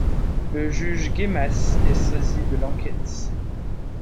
Le juge Guémas est saisi de l'enquête.